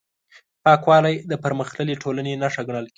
پاکوالی د پرمختللې ټولنې نښه ګڼل کېږي.